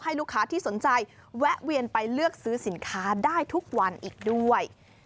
ลูกค้าที่สนใจแวะเวียนไปเลือกซื้อสินค้าได้ทุกวันอีกด้วย